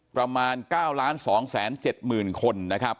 ประมาณ๙๒๗๐๐๐คนนะครับ